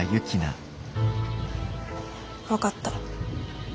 分かった。